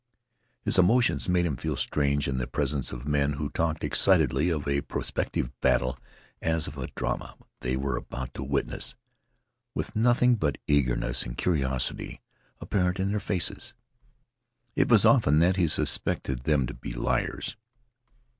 His emotions made him feel strange in the presence of men who talked excitedly of a prospective battle as of a drama they were about to witness, with nothing but eagerness and curiosity apparent in their faces. It was often that he suspected them to be liars.